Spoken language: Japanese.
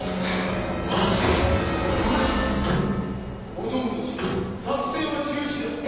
お供たち作戦は中止だ。